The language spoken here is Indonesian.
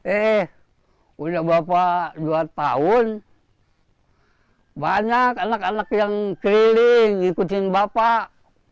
eh udah bapak dua tahun banyak anak anak yang keliling ikutin bapak